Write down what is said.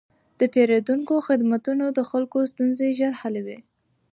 د پېرودونکو خدمتونه د خلکو ستونزې ژر حلوي.